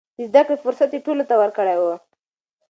د زده کړې فرصت يې ټولو ته ورکړی و.